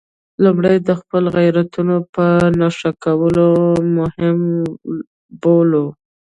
لومړی د خپلو غیرتونو په نښه کول مهم بولم.